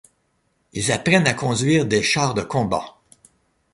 Ils apprennent à conduire des chars de combat.